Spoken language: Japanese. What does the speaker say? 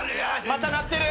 また鳴ってる。